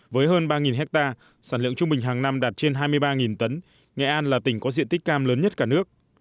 với hơn ba hectare sản lượng trung bình hàng năm đạt trên hai mươi ba tấn nghệ an là tỉnh có diện tích cam lớn nhất cả nước